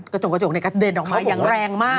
กระจกกระจกกระเด็นออกมาอย่างแรงมาก